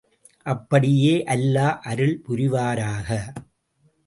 அப்படியே அல்லா அருள் புரிவாராக!